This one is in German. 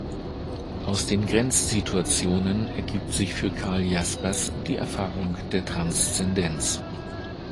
Aus den Grenzsituationen ergibt sich für Karl Jaspers die Erfahrung der Transzendenz.